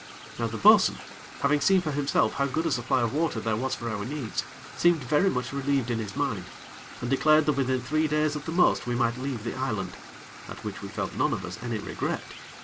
Now the bo'sun, having seen for himself how good a supply of water there was for our needs, seemed very much relieved in his mind, and declared that within three days at the most we might leave the island, at which we felt none of us any regret.